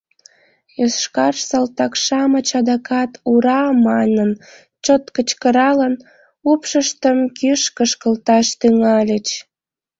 Йошкар салтак-шамыч адакат «ура!» манын чот кычкыралын, упшыштым кӱш кышкылташ тӱҥальыч.